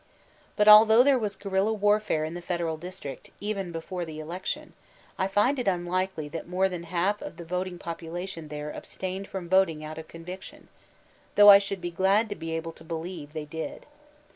But although there was guerilla warfare in the Federal District, even before the election, I find it unlikely that more than half the voting population there abstained from voting out of conviction, tiiopgfa I should be glad to be able to believe they did.